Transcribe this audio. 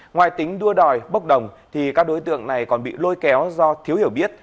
ngoài tính đua đòi bốc đồng thì các đối tượng này còn bị lôi kéo do thiếu hiểu biết